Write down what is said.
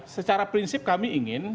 secara prinsip kami ingin